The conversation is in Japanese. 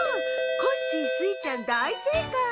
コッシースイちゃんだいせいかい！